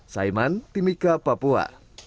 saiman timika papua